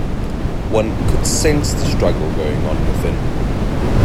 One could sense the struggle going on within.